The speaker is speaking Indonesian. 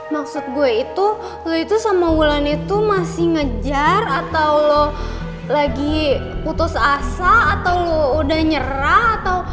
maksud gue itu sama wulan itu masih ngejar atau lo lagi putus asa atau lo udah nyerah atau